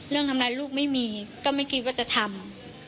ทำร้ายลูกไม่มีก็ไม่คิดว่าจะทำ